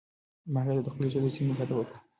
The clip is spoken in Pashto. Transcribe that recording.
ما هغې ته د خپلې اوسېدو د سیمې پته ورکړه.